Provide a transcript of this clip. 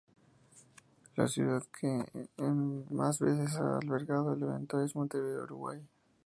La ciudad que en más veces ha albergado el evento es Montevideo, Uruguay.